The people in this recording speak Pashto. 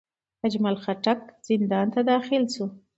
اجمل خټک زندان ته داخل شو.